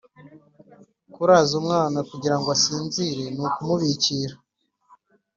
Kuraza umwana kugira ngo asinzire ni ukumubikira